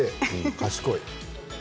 賢い。